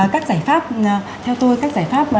các giải pháp theo tôi các giải pháp